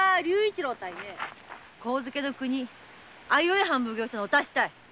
上野国相生藩奉行所のお達したい。